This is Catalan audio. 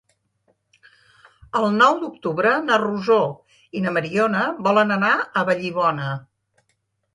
El nou d'octubre na Rosó i na Mariona volen anar a Vallibona.